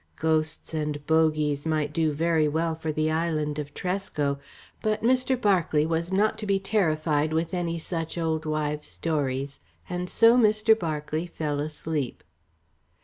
Ghosts and bogies might do very well for the island of Tresco, but Mr. Berkeley was not to be terrified with any such old wives' stories, and so Mr. Berkeley fell asleep.